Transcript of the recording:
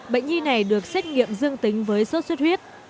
bệnh nhi này được xét nghiệm dương tính với sốt xuất huyết